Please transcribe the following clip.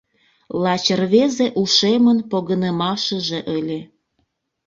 Лач рвезе ушемын погынымашыже ыле.